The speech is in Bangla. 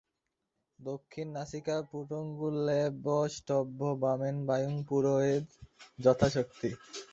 দক্ষিণ-নাসিকাপুটঙ্গুল্যাবষ্টভ্য বামেন বায়ুং পুরুয়েদ যথাশক্তি।